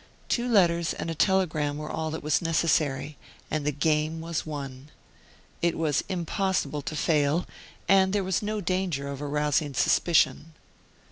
Two letters and a telegram were all that was necessary, and the game was won. It was impossible to fail, and there was no danger of arousing suspicion.